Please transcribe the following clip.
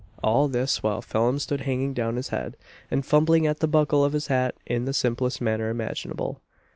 All this while Phelim stood hanging down his head, and fumbling at the buckle of his hat in the simplest manner imaginable.